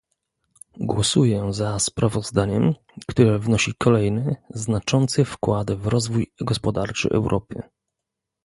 Głosuję za sprawozdaniem, które wnosi kolejny, znaczący wkład w rozwój gospodarczy Europy